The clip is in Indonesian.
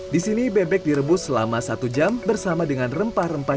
di sini bebek direbus selama satu jam bersama dengan rempah rempah